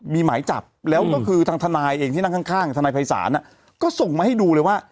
มีหมายจับแล้วก็คือทางทนายเองที่นั่งข้างทนายภัยศาลก็ส่งมาให้ดูเลยว่า